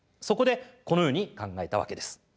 そこでこのように考えたわけです。